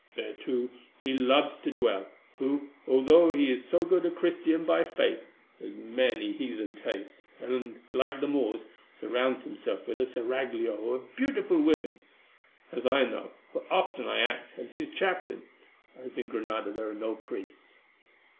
There, too, he loves to dwell, who, although he is so good a Christian by faith, has many heathen tastes, and, like the Moors, surrounds himself with a seraglio of beautiful women, as I know, for often I act as his chaplain, as in Granada there are no priests.